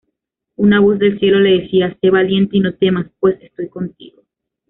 Una voz del cielo le decía "Se valiente y no temas, pues estoy contigo".